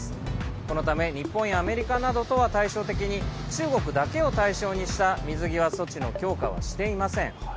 このため日本やアメリカなどとは対照的に中国だけを対象にした水際措置の強化はしていません。